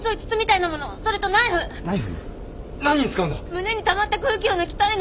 胸にたまった空気を抜きたいの。